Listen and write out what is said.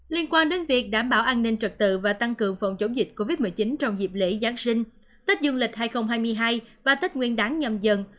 liên quan đến việc đảm bảo an ninh trật tự và tăng cường phòng chống dịch covid một mươi chín trong dịp lễ giáng sinh tết dương lịch hai nghìn hai mươi hai và tết nguyên đáng nhầm dần dần